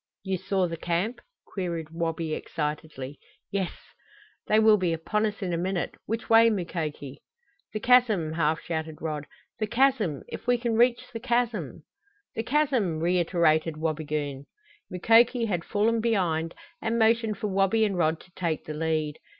"You saw the camp?" queried Wabi excitedly. "Yes." "They will be upon us in a minute! Which way, Mukoki?" "The chasm!" half shouted Rod. "The chasm! If we can reach the chasm " "The chasm!" reiterated Wabigoon. Mukoki had fallen behind and motioned for Wabi and Rod to take the lead.